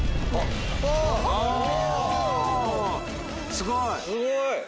すごい！